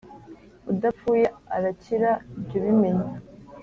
Udapfuye arakira jy’ubimenya